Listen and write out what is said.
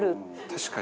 確かに。